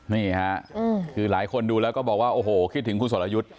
นี่ค่ะคือหลายคนดูแล้วก็บอกว่าโอ้โหคิดถึงคุณสรยุทธ์